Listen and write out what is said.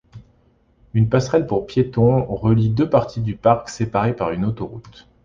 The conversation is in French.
Une passerelle pour piétons relie deux parties du parc séparées par une autoroute.